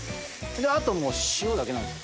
あともう塩だけなんです。